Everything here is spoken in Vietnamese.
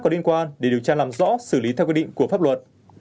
có liên quan để điều tra làm rõ xử lý theo quy định của pháp luật